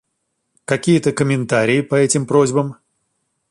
Какие-то комментарии по этим просьбам?